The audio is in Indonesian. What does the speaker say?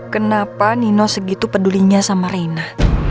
kenapa nino segitu pedulinya sama reina